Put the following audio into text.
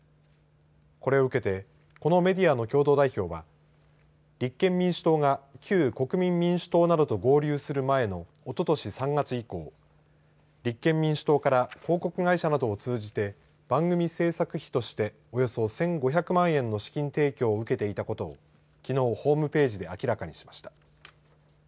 これを受けてこのメディアの共同代表は立憲民主党が旧国民民主党などと合流する前の、おととし３月以降立憲民主党から広告会社などを通じて番組制作費として、およそ１５００万円の資金提供を受けていたことをきのうホームページで明らかしました。